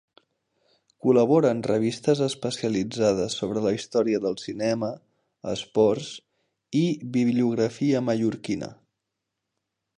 Col·labora en revistes especialitzades sobre la història del cinema, esports i bibliografia mallorquina.